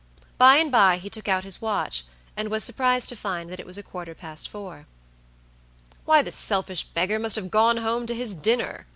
By and by he took out his watch, and was surprised to find that it was a quarter past four. "Why, the selfish beggar must have gone home to his dinner!"